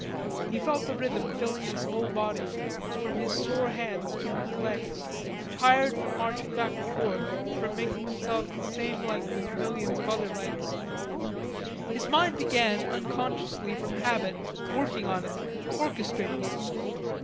He felt the rhythm filling his whole body, from his sore hands to his legs, tired from marching back and forth from making themselves the same length as millions of other legs. His mind began unconsciously, from habit, working on it, orchestrating it.